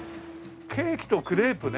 ケーキとクレープね。